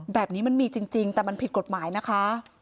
แบบนี้มันมีจริงแต่มันผิดกฎหมายนะคะ